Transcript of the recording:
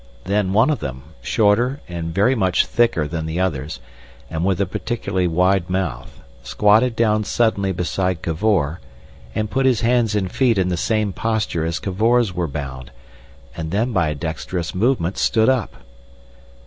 Then one of them, shorter and very much thicker than the others, and with a particularly wide mouth, squatted down suddenly beside Cavor, and put his hands and feet in the same posture as Cavor's were bound, and then by a dexterous movement stood up.